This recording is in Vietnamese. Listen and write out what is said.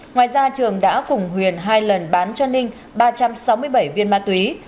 ngoài ra trường đã cùng huyền hai lần bán cho ninh ba trăm sáu mươi bảy viên ma túy